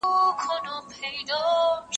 دا ټوکر يو متر بالا دی